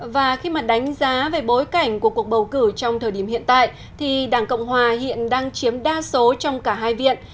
và khi mà đánh giá về bối cảnh của cuộc bầu cử trong thời điểm hiện tại thì đảng cộng hòa hiện đang chiếm đa số trong cả hai viện